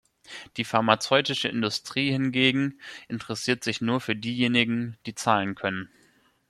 Die pharmazeutische Industrie hingegen interessiert sich nur für diejenigen, die zahlen können.